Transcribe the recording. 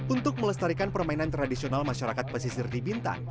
untuk melestarikan permainan tradisional masyarakat pesisir di bintan